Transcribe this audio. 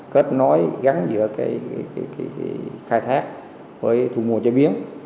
kết nối gắn giữa cái khai thác với thu mua chế biến